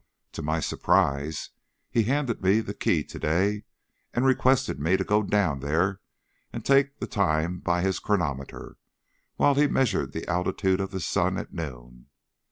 To my surprise he handed me the key to day and requested me to go down there and take the time by his chronometer while he measured the altitude of the sun at noon.